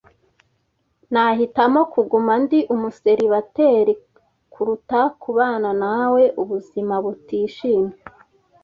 Nahitamo kuguma ndi umuseribateri kuruta kubana na we ubuzima butishimye.